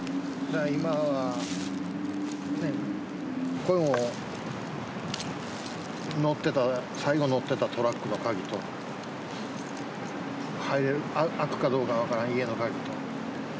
今は、これも乗ってた、最後乗ってたトラックの鍵と、開くかどうか分からない家の鍵。